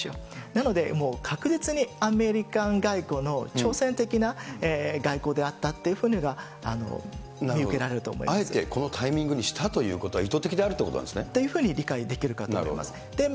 なので、確実にアメリカの外交の挑戦的な外交であったというふうには見受あえてこのタイミングにしたということは、意図的であるということなんですね。というふうに理解できるかと思います。